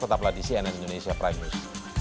tetaplah di cnn indonesia prime news